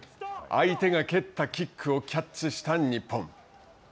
相手が蹴ったキックをキャッチした日本。